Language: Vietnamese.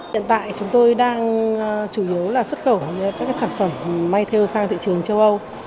hiện tại chúng tôi đang chủ yếu là xuất khẩu các sản phẩm may theo sang thị trường châu âu